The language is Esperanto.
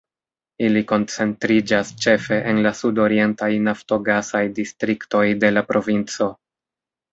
Ili koncentriĝas ĉefe en la sud-orientaj naftogasaj distriktoj de la provinco.